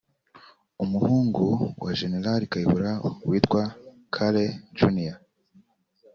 umuhungu wa Gen Kayihura witwa Kale Jr